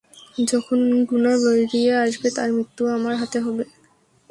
যখন গুনা বেরিয়ে আসবে, তার মৃত্যুর আমার হাতে হবে।